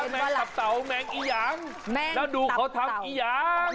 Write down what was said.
แม่งตับเตาแล้วดูเขาทำอียาง